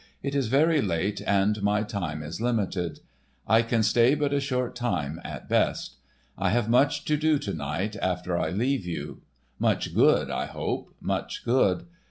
It is very late and my time is limited. I can stay but a short while at best. I have much to do to night after I leave you,—much good I hope, much good.